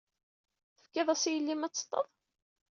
Tefkiḍ-as i yelli-m ad teṭṭeḍ?